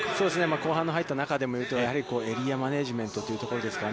後半の入った中で言うとエリアマネジメントというところですかね。